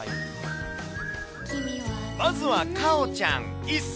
まずはかおちゃん１歳。